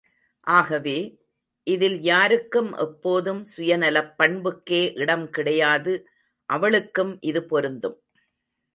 ஆகவே, இதில் யாருக்கும் எப்போதும் சுயநலப் பண்புக்கே இடம் கிடையாது அவளுக்கும் இது பொருந்தும்!